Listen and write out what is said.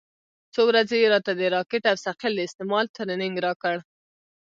څو ورځې يې راته د راکټ او ثقيل د استعمال ټرېننگ راکړ.